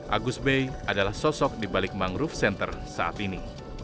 agus bey adalah sosok dibalik mangrove center saat ini